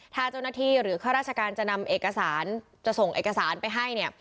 ถ้าเจ้าหน้าที่หรือข้าราชการจะนำเอกสารจะส่งเอกสารไปให้เนี่ย